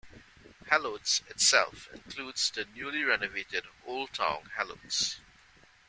Helotes itself includes the newly renovated Old Town Helotes.